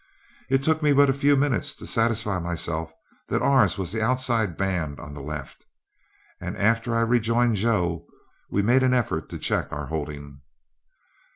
It took me but a few minutes to satisfy myself that ours was the outside band on the left, and after I rejoined Joe, we made an effort to check our holding.